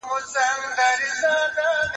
تاسي باید د مشرانو په اجازه خبرې پیل کړئ.